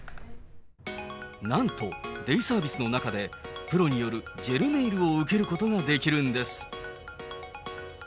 なんと、デイサービスの中で、プロによるジェルネイルを受けることができるんです。